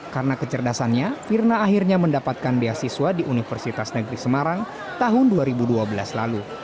karena kecerdasannya firna akhirnya mendapatkan beasiswa di universitas negeri semarang tahun dua ribu dua belas lalu